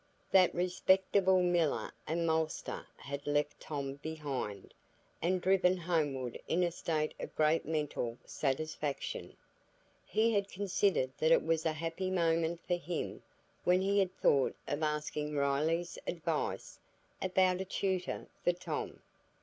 That respectable miller and maltster had left Tom behind, and driven homeward in a state of great mental satisfaction. He considered that it was a happy moment for him when he had thought of asking Riley's advice about a tutor for Tom.